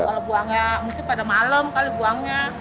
kalo buangnya mungkin pada malem kali buangnya